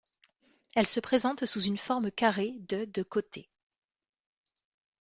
Elle se présente sous une forme carrée de de côté.